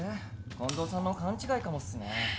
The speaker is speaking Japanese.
近藤さんの勘違いかもっすね。